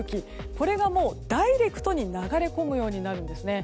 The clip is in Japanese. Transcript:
これがもうダイレクトに流れ込むようになるんですね。